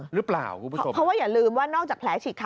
หรือเปล่าคุณผู้ชม